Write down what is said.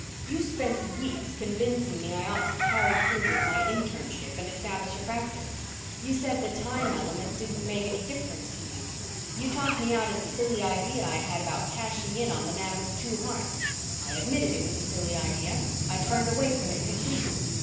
You spent weeks convincing me I ought to carry through with my internship and establish a practice. You said the time element didn't make any difference to you. You talked me out of the silly idea I had about cashing in on the man with two hearts. I admitted it was a silly idea. I turned away from it completely.